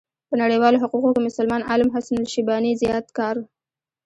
په نړيوالو حقوقو کې مسلمان عالم حسن الشيباني زيات کار